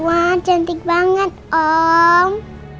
wah cantik banget om